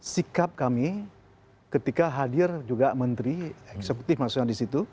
sikap kami ketika hadir juga menteri eksekutif maksudnya disitu